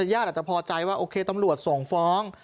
ญาติอาจจะพอใจว่าโอเคตำรวจส่งฟ้อง